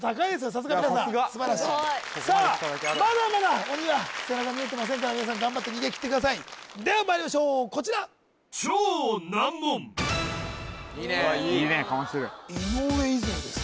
さすが皆さん素晴らしいさあまだまだ鬼は背中見えてませんから皆さん頑張って逃げ切ってくださいではまいりましょうこちら・いいねいいねかましてる井上イズムですね